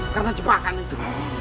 karena cepatkan itu